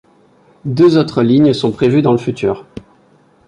Deux autres lignes sont prévues dans le futur.